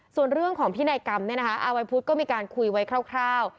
ส่วนเรื่องของพินัยกรรมอาวัยพุทธก็มีการคุยไว้คร่าว